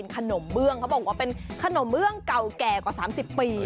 ขนมเบื้องเขาบอกว่าเป็นขนมเบื้องเก่าแก่กว่า๓๐ปี